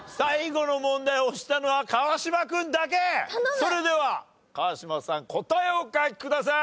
それでは川島さん答えをお書きください。